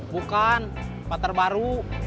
bukan partner baru